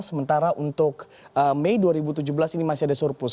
sementara untuk mei dua ribu tujuh belas ini masih ada surplus